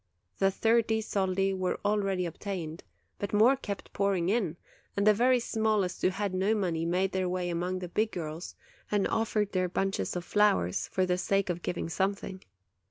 The thirty soldi were already obtained, but more kept pouring in; and the very smallest who had no money made their way among the big girls, and offered their bunches of flowers, for the sake of giving something.